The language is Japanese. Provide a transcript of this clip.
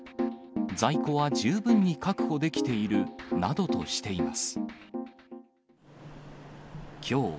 在庫は十分に確保できているなどとしています。